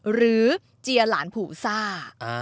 หรือเจียหลานผูซ่า